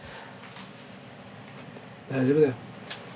大丈夫だよ。